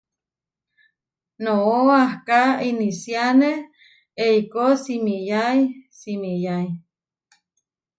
Noʼaká inisiáne eikó simiyái simiyái.